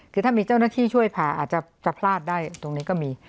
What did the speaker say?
คือถ้ามีเจ้าหน้าที่ช่วยผ่าอาจจะพลาดได้ตรงนี้ก็มี